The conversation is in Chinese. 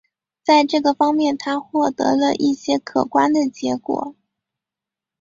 在这个方面他获得了一些可观的结果。